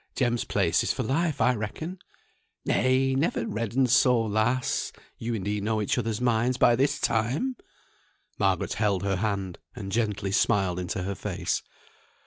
Jem's place is for life, I reckon. Nay, never redden so, lass. You and he know each other's minds by this time!" Margaret held her hand, and gently smiled into her face.